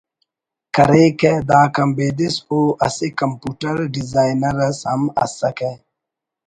کریکہ داکان بیدس او اسہ کمپیوٹر ڈیزائنر اس ہم ئسکہ